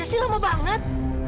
saya sudah ingat